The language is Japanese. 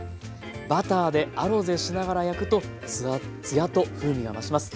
バターでアロゼしながら焼くとツヤと風味が増します。